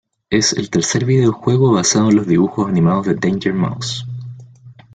Es el tercer videojuego basado en los dibujos animados de Danger Mouse.